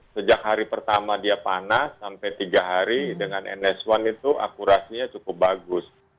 sejak hari pertama dia panas sampai tiga hari dengan ns satu itu akurasinya cukup bagus